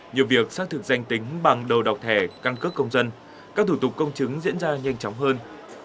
nhiều việc xác thực danh tính bằng đầu đọc thẻ căn cức công dân các thủ tục công chứng diễn ra nhanh chóng hơn